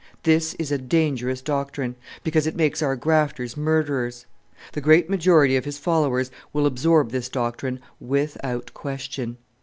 This is a dangerous doctrine because it makes our grafters murderers! The great majority of his followers will absorb this doctrine without question.